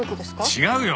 違うよ！